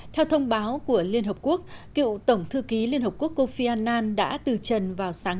theo thông báo của liên hợp quốc cựu tổng thư ký liên hợp quốc cofy annan đã từ trần vào sáng